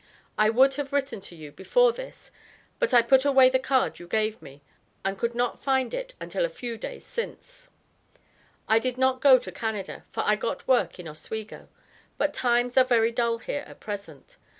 I would have written to you before this but I put away the card you gave me and could not find it until a few days sins). I did not go to Canada for I got work in Oswego, but times are very dull here at present.